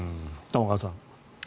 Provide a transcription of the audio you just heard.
玉川さん。